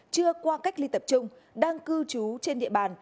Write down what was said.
chưa qua cách ly tập trung đang cư trú trên địa bàn